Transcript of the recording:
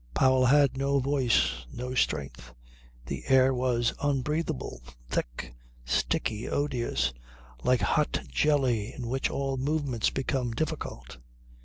Powell had no voice, no strength. The air was unbreathable, thick, sticky, odious, like hot jelly in which all movements became difficult.